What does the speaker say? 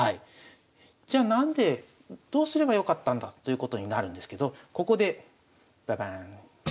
じゃあ何でどうすればよかったんだということになるんですけどここでババーン。